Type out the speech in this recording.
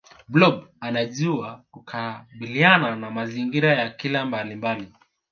blob anajua kukabiliana na mazingira ya kila mbalimbali